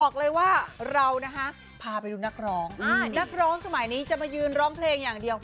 บอกเลยว่าเรานะคะพาไปดูนักร้องนักร้องสมัยนี้จะมายืนร้องเพลงอย่างเดียวค่ะ